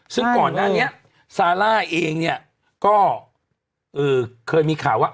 ซึ่งก่อนหน้านี้ซาร่าเองเนี่ยก็เคยมีข่าวว่า